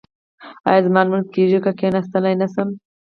ایا زما لمونځ کیږي که کیناستلی نشم؟